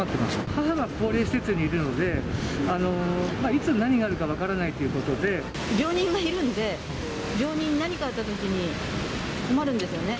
母が高齢施設にいるのでいつ、何があるか分からないということ病人がいるんで、病人に何かあったときに困るんですよね。